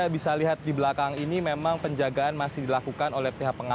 bisa lihat di belakang ini memang penjagaan masih dilakukan oleh pihak pengadilan